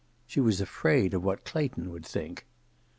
She was afraid of what Clayton would think.